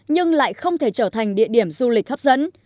nhưng lại không thể trở thành địa điểm du lịch hấp dẫn